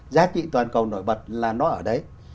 giá trị toàn cầu nổi bật là nó ở đấy